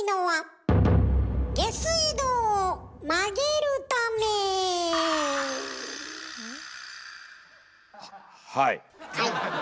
はい。